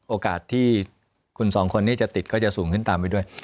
โอกาสที่คุณสองคนนี้จะติด